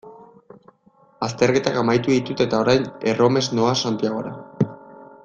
Azterketak amaitu ditut eta orain erromes noa Santiagora.